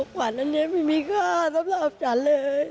ฝันก็ไม่มีค่าทำสำหรับฉันเลย